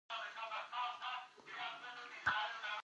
اقلیم د افغان ماشومانو د زده کړې موضوع ده.